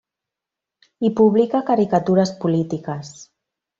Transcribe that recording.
Hi publica caricatures polítiques.